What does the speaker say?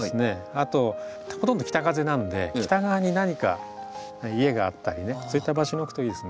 あとほとんど北風なんで北側に何か家があったりねそういった場所に置くといいですね。